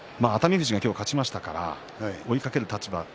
富士は今日勝ちましたので追いかける立場。